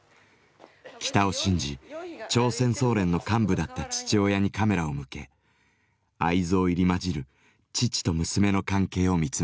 北を信じ朝鮮総連の幹部だった父親にカメラを向け愛憎入りまじる父と娘の関係を見つめました。